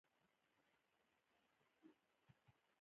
ازادي راډیو د ټرافیکي ستونزې په اړه د خلکو نظرونه خپاره کړي.